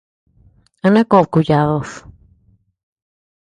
¿A na koʼod kuyadud?